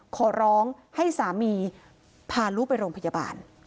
ขอร้องให้สามีพาลูกไปโรงพยาบาล